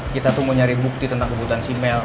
kita tuh mau nyari bukti tentang kebutuhan si mel